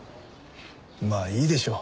まあいいでしょう。